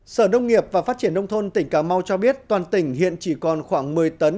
sở nông nghiệp và phát triển nông thôn tỉnh cà mau cho biết toàn tỉnh hiện chỉ còn khoảng một mươi tấn